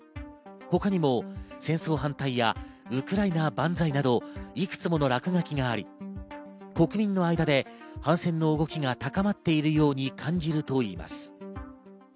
他にも「戦争反対」や「ウクライナ万歳」など、いくつもの落書きがあり、国民の間で反戦の動きが高まっているように感じるといいます。